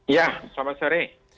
ya selamat sore